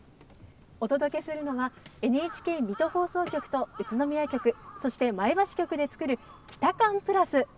お届けするのはＮＨＫ水戸放送局と宇都宮局そして前橋局で作る「キタカン＋」。